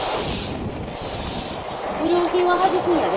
不良品ははじくんやで。